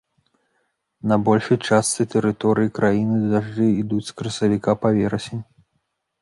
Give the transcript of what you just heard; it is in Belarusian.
На большай частцы тэрыторыі краіны дажджы ідуць з красавіка па верасень.